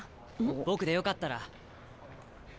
僕でよかったら。